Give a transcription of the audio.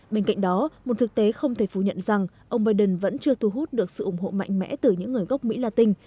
bên cạnh đó một thực tế không thể phủ nhận rằng ông biden vẫn chưa thu hút được sự ủng hộ mạnh mẽ từ những người gốc mỹ latin